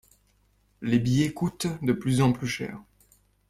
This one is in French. Les billets coûtent de plus en plus cher.